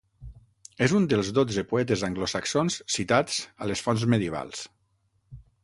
És un dels dotze poetes anglosaxons citats a les fonts medievals.